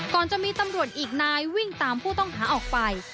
ก่อนจะมีตำรวจอีกนายวิ่งตามผู้ต้องหาออกไป